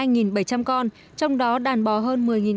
nhờ sự tích cực chủ động đó mà đàn bò của gia đình ông